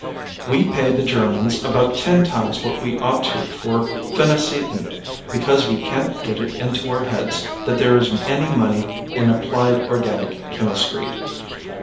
We pay the Germans about ten times what we ought to for phenacetin, because we can't get it into our heads that there is any money in applied organic chemistry.